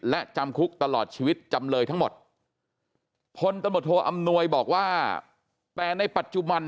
และจำคุกตลอดชีวิตจำเลยทั้งหมดพลตำรวจโทอำนวยบอกว่าแต่ในปัจจุบัน